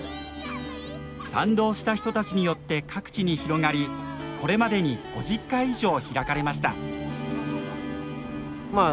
賛同した人たちによって各地に広がりこれまでに５０回以上開かれました。